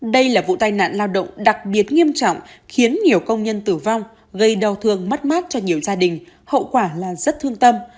đây là vụ tai nạn lao động đặc biệt nghiêm trọng khiến nhiều công nhân tử vong gây đau thương mất mát cho nhiều gia đình hậu quả là rất thương tâm